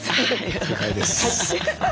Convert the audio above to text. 正解です。